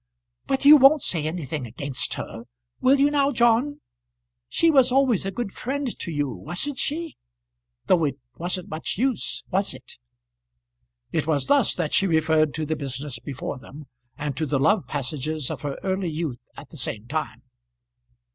But you won't say anything against her; will you now, John? She was always a good friend to you; wasn't she? Though it wasn't much use; was it?" It was thus that she referred to the business before them, and to the love passages of her early youth at the same time.